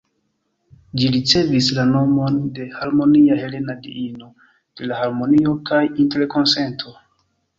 Ĝi ricevis la nomon de Harmonia, helena diino de la harmonio kaj interkonsento.